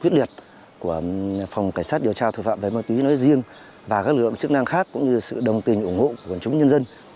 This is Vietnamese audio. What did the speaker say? quyết liệt của phòng cảnh sát điều tra tội phạm về ma túy nói riêng và các lực lượng chức năng khác cũng như sự đồng tình ủng hộ của chúng nhân dân